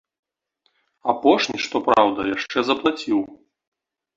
Апошні, што праўда, яшчэ заплаціў.